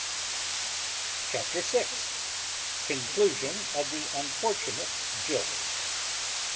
CHAPTER VI. _Conclusion of the unfortunate jilt.